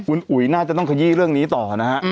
คุณอุ๋ยน่าจะต้องขยี้เรื่องนี้ต่อนะฮะ